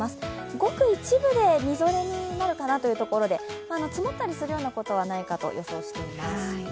ごく一部でみぞれになるかなというところで、積もったりすることはないかなと予想しています。